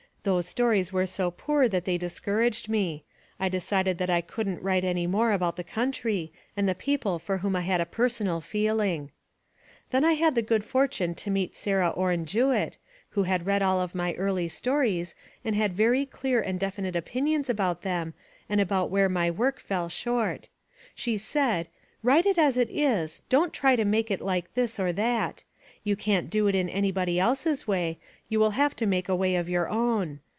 Those stories were so poor that they discouraged me. I decided that I wouldn't write any more about the country and the people for whom I had a personal feeling. "Then I had the good fortune to meet Sarah Orne Jewett, who had read all of my early stories and had very clear and definite opinions about them and about where my work fell short. She said : 'Write it as it is, don't try to make it like this or that. You can't do it in anybody else's way; you will have to make a way of your own.